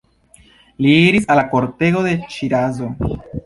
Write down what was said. Li iris al la kortego de Ŝirazo.